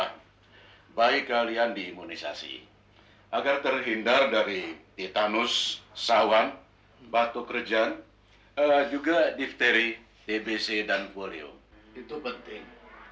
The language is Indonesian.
kita harus mengimunisasi agar terhindar dari titanus sawan batuk rejan juga diphteri tbc dan folio itu penting